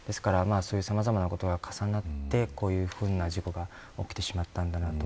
さまざまなことが重なってこういう事故が起きてしまったのだと。